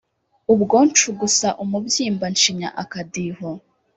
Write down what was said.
Ubwo ncugusa umubyimba ncinya akadiho